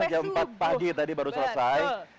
jam empat pagi tadi baru selesai